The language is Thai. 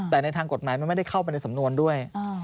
แต่ในทางกฎหมายมันไม่ได้เข้าไปในสำนวนด้วย